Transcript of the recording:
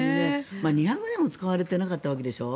でも、２００年も使われてなかったわけでしょ。